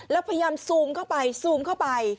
แล้วพยายามซูมเข้าไปซูมเข้าไป